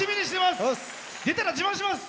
出たら自慢します！